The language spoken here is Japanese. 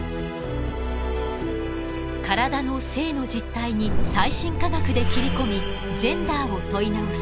体の性の実態に最新科学で切り込みジェンダーを問い直す。